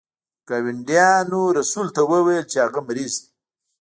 ګاونډیانو رسول ته وویل چې هغه مریض دی.